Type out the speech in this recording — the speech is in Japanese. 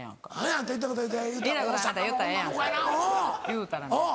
言うたらね